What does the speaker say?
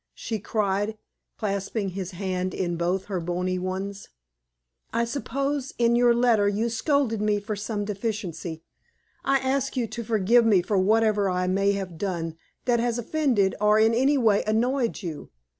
she cried, clasping his hand in both her bony ones. "I suppose in your letter you scolded me for some deficiency. I ask you to forgive me for whatever I may have done that has offended or in any way annoyed you.